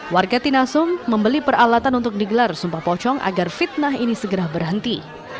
warga tinasum membeli peralatan untuk digelar sumpah pocong agar fitnah ini segera berhenti